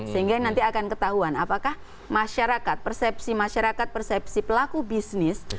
sehingga nanti akan ketahuan apakah masyarakat persepsi pelaku bisnis